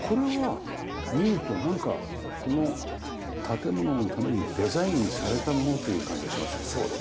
これは見るとなんかこの建物のためにデザインされたものという感じがしますよね。